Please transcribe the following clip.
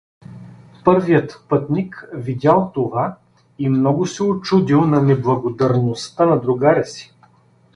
Първият пътник видял това и много се учудил на неблагодарността на другаря си.